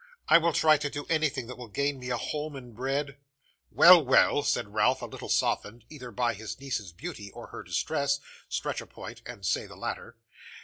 'I will try to do anything that will gain me a home and bread.' 'Well, well,' said Ralph, a little softened, either by his niece's beauty or her distress (stretch a point, and say the latter).